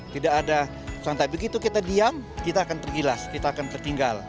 tidak ada santai begitu kita diam kita akan tergilas kita akan tertinggal